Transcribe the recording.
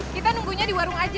kita nunggunya di warung aja